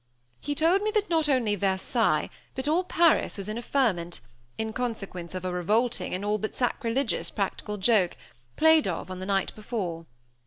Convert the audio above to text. He told me that not only Versailles, but all Paris was in a ferment, in consequence of a revolting, and all but sacrilegious practical joke, played of on the night before.